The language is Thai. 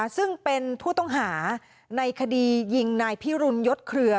ซึ่งเป็นผู้ต้องหาในคดียิงนายพิรุณยศเครือ